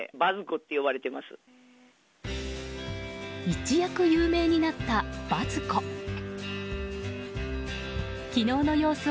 一躍有名になったバズ子。